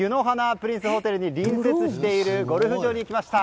プリンスホテルに隣接しているゴルフ場に来ました。